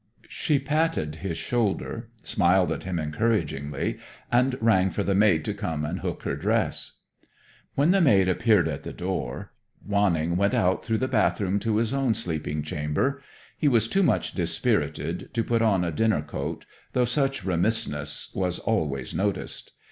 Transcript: She patted his shoulder, smiled at him encouragingly, and rang for the maid to come and hook her dress. When the maid appeared at the door, Wanning went out through the bathroom to his own sleeping chamber. He was too much dispirited to put on a dinner coat, though such remissness was always noticed.